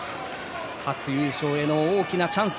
初優勝への大きなチャンス。